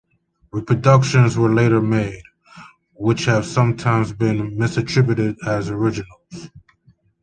Reproductions were later made, which have sometimes been misattributed as originals.